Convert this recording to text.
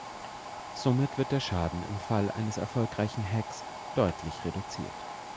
Somit wird der Schaden im Fall eines erfolgreichen Hacks deutlich reduziert.